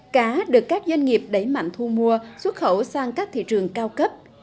cá được các doanh nghiệp đẩy mạnh thu mua xuất khẩu sang các thị trường cao cấp